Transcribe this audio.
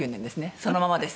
そのままです。